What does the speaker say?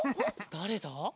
だれだ？